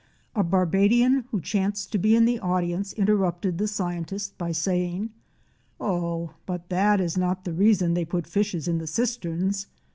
A Barbadian who chanced to be in the audience interrupted the scientist by saying, 'Oh, but that is not the reason they put fishes in the cisterns.